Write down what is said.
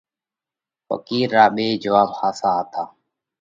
ڦقِير را ٻئي جواٻ ۿاسا هتا۔